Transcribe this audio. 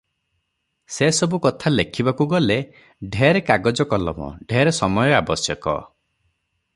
ସେ ସବୁ କଥା ଲେଖିବାକୁ ଗଲେ ଢେର କାଗଜ କଲମ, ଢେର ସମୟ ଆବଶ୍ୟକ